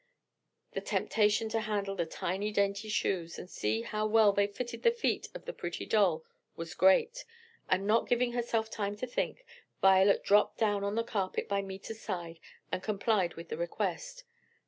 The temptation to handle the tiny, dainty shoes and see how well they fitted the feet of the pretty doll, was great, and not giving herself time to think, Violet dropped down on the carpet by Meta's side and complied with the request.